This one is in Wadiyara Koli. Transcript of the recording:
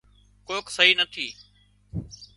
ڪوڪ سئي نٿي